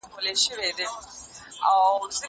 که وخت وي، کالي وچوم؟